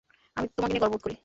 আমি তোমাকে নিয়ে গর্ববোধ করি।